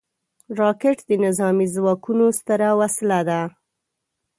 راکټ د نظامي ځواکونو ستره وسله ده